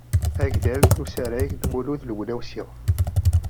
Agdal n usarag n Mulud Lunawsi.